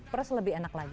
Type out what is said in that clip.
terus lebih enak lagi